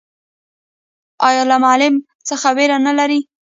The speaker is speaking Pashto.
ایا له معلم څخه ویره نلري؟